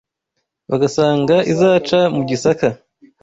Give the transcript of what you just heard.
bagasanga izaca mu Gisaka